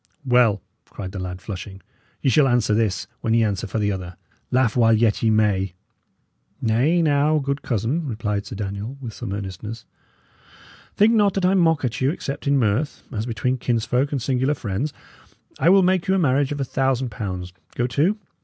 "Well," cried the lad, flushing, "ye shall answer this when ye answer for the other. Laugh while yet ye may!" "Nay, now, good cousin," replied Sir Daniel, with some earnestness, "think not that I mock at you, except in mirth, as between kinsfolk and singular friends. I will make you a marriage of a thousand pounds, go to!